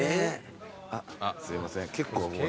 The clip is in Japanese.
あっすいません。